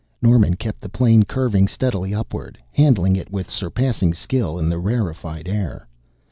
Norman kept the plane curving steadily upward, handling it with surpassing skill in the rarefied air.